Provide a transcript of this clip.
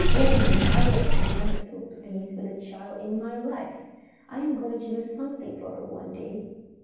Well, Minnie, I was never so pleased with a child in my life! I am going to do something for her some day.